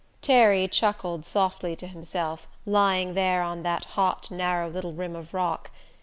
Terry chuckled softly to himself, lying there on that hot narrow little rim of rock.